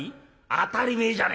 「当たり前じゃねえかよ。